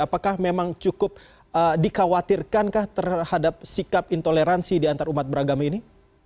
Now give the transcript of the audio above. apakah memang cukup dikhawatirkan kah terhadap sikap intoleransi di antar umat beragama ini